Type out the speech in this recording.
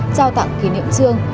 trao tặng kỷ niệm trương